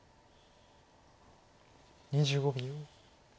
２５秒。